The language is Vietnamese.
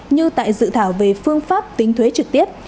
như tại dự thảo về phương pháp tính thuế trực tiếp